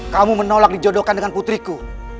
kamu menolak dijodohkan dengan putriku